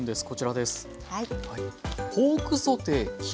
こちらです。